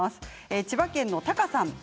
千葉県の方からです。